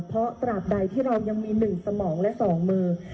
เพราะตราบใดที่เรายังมี๑สมองและ๒มือ